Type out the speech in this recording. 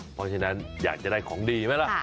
เพราะฉะนั้นอยากจะได้ของดีไหมล่ะ